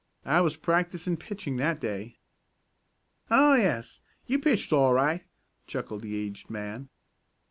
I was practising pitching that day." "Oh, yes, you pitched all right," chuckled the aged man.